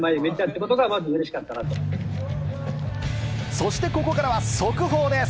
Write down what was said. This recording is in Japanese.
そして、ここからは速報です。